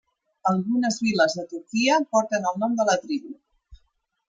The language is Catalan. Algunes viles a Turquia porten el nom de la tribu.